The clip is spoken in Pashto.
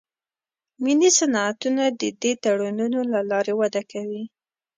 ملي صنعتونه د دې تړونونو له لارې وده کوي